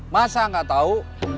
masa nggak tahu